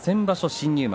新入幕